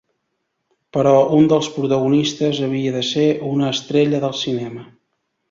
Però un dels protagonistes havia de ser una estrella del cinema.